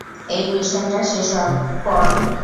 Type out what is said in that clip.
এই মিশনটা শেষ হওয়ার পর!